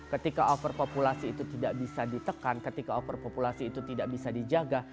ketika overpopulasi itu tidak bisa ditekan ketika overpopulasi itu tidak bisa dijaga